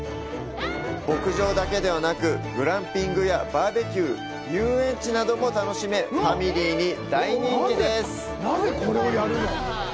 牧場だけではなく、グランピングやバーベキュー、遊園地なども楽しめ、ファミリーに大人気です。